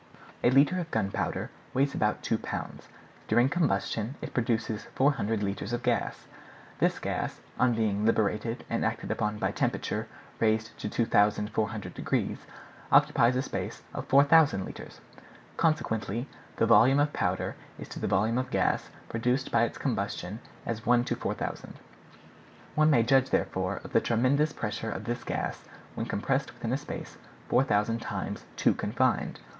A litre of gunpowder weighs about two pounds; during combustion it produces 400 litres of gas. This gas, on being liberated and acted upon by temperature raised to 2,400 degrees, occupies a space of 4,000 litres: consequently the volume of powder is to the volume of gas produced by its combustion as 1 to 4,000. One may judge, therefore, of the tremendous pressure on this gas when compressed within a space 4,000 times too confined.